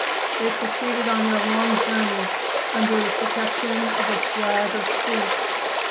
They proceeded on their long journey under the protection of a flag of truce.